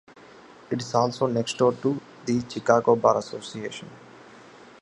It is also next door to the Chicago Bar Association.